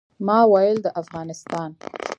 ما ویل د افغانستان.